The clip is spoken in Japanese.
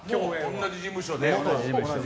同じ事務所で。